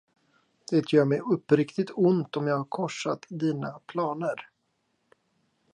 Det gör mig uppriktigt ont om jag korsat dina planer.